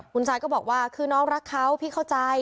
คุณซายก็บอกว่าคือน้องรักเขาพี่เข้าใจ